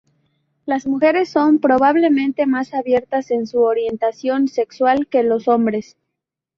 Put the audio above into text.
Las mujeres son, probablemente, más abiertas en su orientación sexual que los hombres.